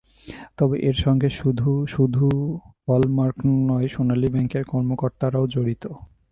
তবে এর সঙ্গে শুধু হল মার্ক নয়, সোনালী ব্যাংকের কর্মকর্তারাও জড়িত।